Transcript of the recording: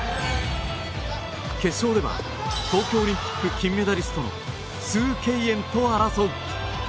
決勝では、東京オリンピック金メダリストのスウ・ケイエンと争う。